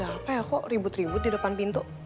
apa ya kok ribut ribut di depan pintu